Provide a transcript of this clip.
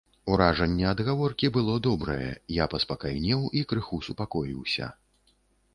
Уражанне ад гаворкі было добрае, я паспакайнеў і крыху супакоіўся.